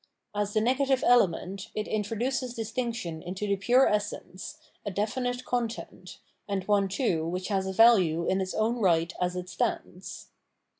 As the negative element, it introduces distinction into the pure essence, a definite content, and one, too, which has a value in its own right as it stands.